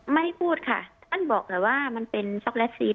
ไม่พูดค่ะมันบอกแหละว่ามันเป็นซ็อกและซีส